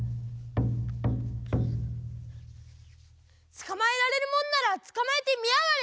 つかまえられるもんならつかまえてみやがれ！